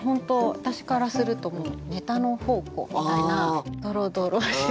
私からするともうネタの宝庫みたいなドロドロしたね。